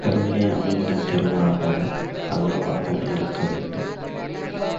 கருவிலே அமைந்த திருவாக அல்லவாக இருக்க வேண்டும்.